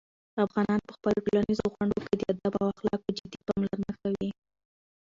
افغانان په خپلو ټولنیزو غونډو کې د "ادب" او "اخلاقو" جدي پاملرنه کوي.